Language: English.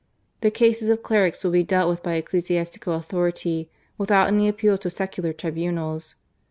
The cases of clerics will be dealt with by ecclesiastical authority, without any appeal to secular tribunals.